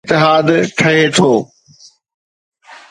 اتحاد ٺھي ٿو.